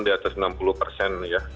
di atas enam puluh persen ya